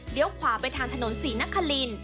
เดี๋ยวขวาไปทางถนนศรีนคลิน